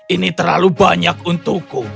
ini terlalu banyak untukku